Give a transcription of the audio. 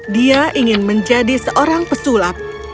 dia ingin menjadi seorang pesulap